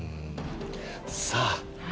さあ。